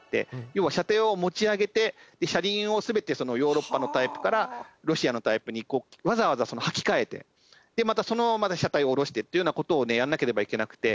要は車体を持ち上げて車輪を全てヨーロッパのタイプからロシアのタイプにわざわざ履き替えてでまたその車体を下ろしてっていうような事をねやらなければいけなくて。